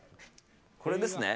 これですね。